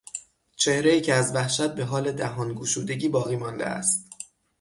چهرهای که از وحشت بهحال دهان گشودگی باقیمانده است